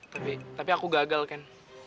tapi tapi aku gagal kan